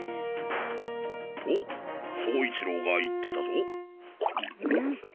と走一郎が言ってたぞ。